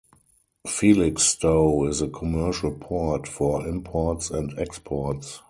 Felixstowe is a commercial port for imports and exports.